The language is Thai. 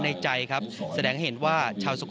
บิดละครับเราก็จ้ำมาอิสไทย